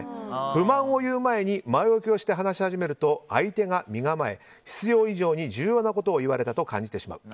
不満を言う前に前置きをして話し始めると相手が身構え、必要以上に重要なことを言われたと感じてしまう。